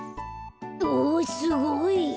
おすごい！